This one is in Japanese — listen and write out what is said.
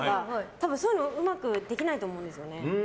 多分そういうのうまくできないと思いますね。